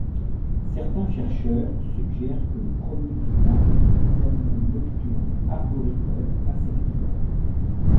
Certains chercheurs suggèrent que les premiers primates étaient des animaux nocturnes arboricoles insectivores.